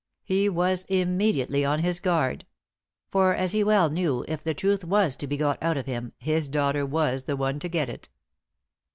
He was immediately on his guard; for, as he well knew, if the truth was to be got out of him, his daughter was the one to get it.